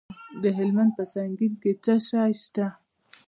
د هلمند په سنګین کې څه شی شته؟